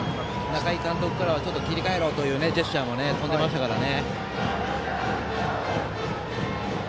仲井監督からは切り替えろというジェスチャーも飛んでいましたからね。